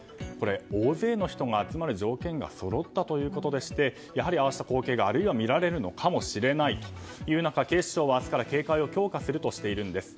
大勢の人が集まる条件がそろったということでやはりああいった光景が見られるかもしれないということで警視庁は明日から警戒を強化するとしています。